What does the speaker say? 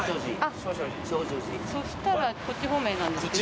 そしたらこっち方面なんですけど。